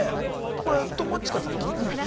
これ友近さん来てくれました